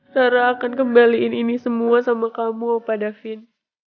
rara akan kembaliin ini semua sama kamu opa davin